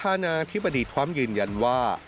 ประธานาธิบดีความยืนยันว่า